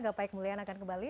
gapai kemuliaan akan kembali